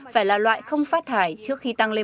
phải là loại không phát thải trước khi tăng lên sáu mươi năm